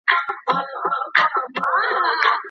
د لاجوردو کانونه واړه نه دي.